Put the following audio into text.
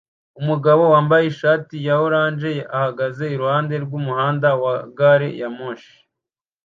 Umugabo wambaye ishati ya orange ahagaze iruhande rwumuhanda wa gari ya moshi